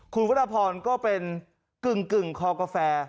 คุณวรพรก็เป็นกึ่งคอกาแฟ